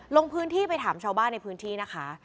ลงพื้นที่ไปถามชาวบ้านในพื้นที่นะคะ